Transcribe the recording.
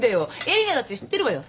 えりなだって知ってるわよ。